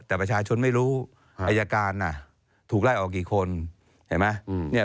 แต่ประชาชนไม่รู้อายการถูกไล่ออกกี่คนเห็นไหม